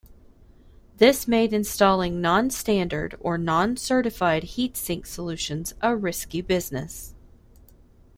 This made installing non-standard or non-certified heatsink solutions a risky business.